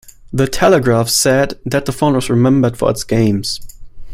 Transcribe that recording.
"The Telegraph" said that the phone was remembered for its games.